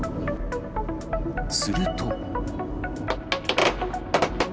すると。